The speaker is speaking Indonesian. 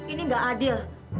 ini gak adil